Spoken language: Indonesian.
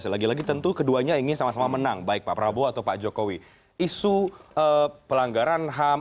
lagi lagi tentu keduanya ingin sama sama menang baik pak prabowo atau pak jokowi isu pelanggaran ham